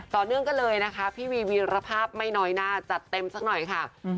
ต่อเนื่องกันเลยนะคะพี่วีวีรภาพไม่น้อยหน้าจัดเต็มสักหน่อยค่ะ